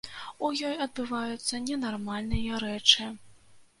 У ёй адбываюцца ненармальныя рэчы.